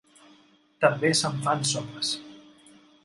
També se'n fan sopes.